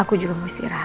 aku juga mau istirahat